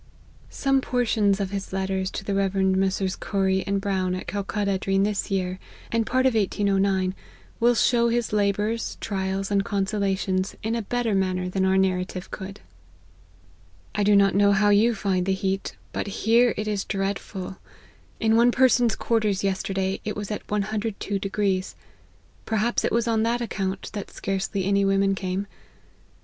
Some portions of his letters to the Rev. Messrs. Corrie and Brown, at Calcutta, during this year, and part of 1809, will show his labours, trials, and consolations, in a better manner than our narrative eou'd. 112 LIFE OF HENRY MARTYN. " 1 do not know how you find the heat, but here it is dreadful: in one person's quarters yesterday it was at 102 : perhaps it was on that account thai scarcely any women came.